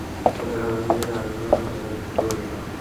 বললেন, আলহামদুলিল্লাহ, আল্লাহর হাজার শুকরিয়া।